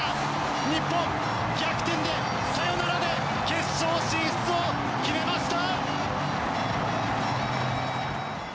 日本、逆転でサヨナラで決勝進出を決めました！